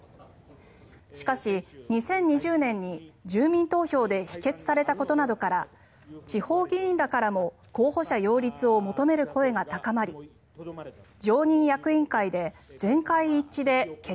しかし、２０２０年に住民投票で否決されたことなどから地方議員らからも候補者擁立を求める声が高まりじゃあ行くね！